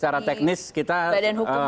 badan hukum bpn